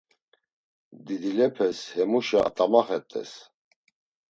Didilepes hemuşa at̆amaxet̆es.